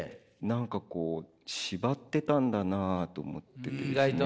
何かこう縛ってたんだなと思っててですね。